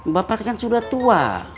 bapak kan sudah tua